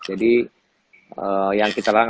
jadi yang kita larang